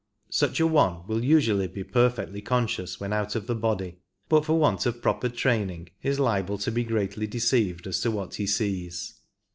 Such an one will usually be perfectly conscious when out of the body, but for want of proper training is liable to be greatly deceived as to what he sees.